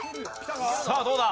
さあどうだ？